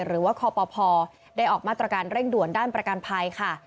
หรือว่าคปพได้ออกมาตรการเร่งด่วนด้านประกันภัยค่ะ